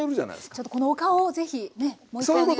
ちょっとこのお顔を是非ねもう一回お願いします。